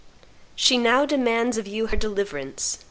She now demands of you her deliverance